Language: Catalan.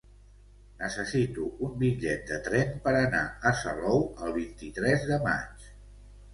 Necessito un bitllet de tren per anar a Salou el vint-i-tres de maig.